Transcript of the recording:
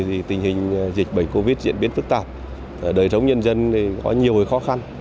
thì tình hình dịch bệnh covid diễn biến phức tạp đời sống nhân dân có nhiều khó khăn